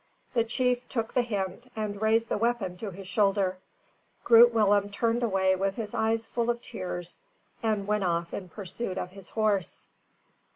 The chief took the hint and raised the weapon to his shoulder. Groot Willem turned away with his eyes full of tears, and went off in pursuit of his horse.